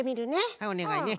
はいおねがいね。